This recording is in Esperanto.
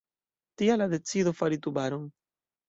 Tial la decido fari Tubaron.